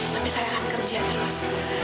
tapi saya akan kerja terus